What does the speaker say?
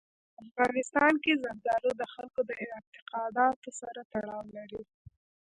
په افغانستان کې زردالو د خلکو د اعتقاداتو سره تړاو لري.